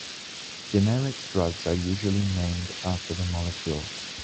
Generic drugs are usually named after the molecule.